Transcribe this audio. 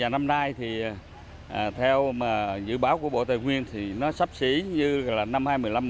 năm nay theo dự báo của bộ tài nguyên nó sắp xỉ như năm hai nghìn một mươi năm hai nghìn một mươi sáu